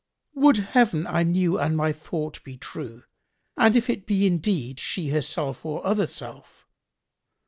[FN#1] Would Heaven I knew an my thought be true and if it be indeed she herself or other self!"